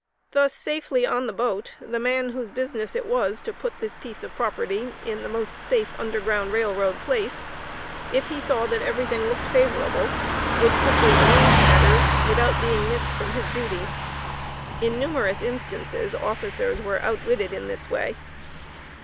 Thus safely on the boat, the man whose business it was to put this piece of property in the most safe Underground Rail Road place, if he saw that every thing looked favorable, would quickly arrange matters without being missed from his duties. In numerous instances, officers were outwitted in this way.